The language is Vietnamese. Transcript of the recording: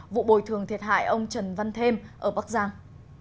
vụ bồi thường thiệt hại ông trần văn thêm ở bắc giang